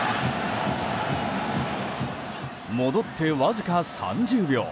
戻ってわずか３０秒。